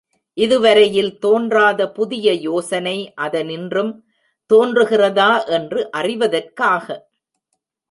இதுவரையில் தோன்றாத புதிய யோசனை அதனின்றும் தோன்றுகிறதா என்று அறிவதற்காக!